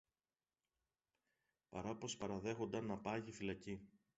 παρά πως παραδέχουνταν να πάγει φυλακή